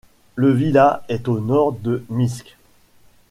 Le villa est au nord de Minsk.